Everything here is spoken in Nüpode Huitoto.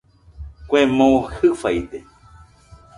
Kue moo Jɨfaide